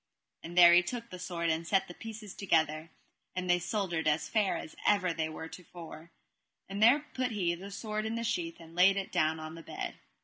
And there he took the sword, and set the pieces together, and they soldered as fair as ever they were to fore; and there put he the sword in the sheath, and laid it down on the bed.